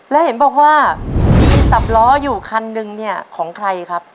แล้วเห็นบอกว่าที่สับล้ออยู่คันนึงเนี่ยของใครครับ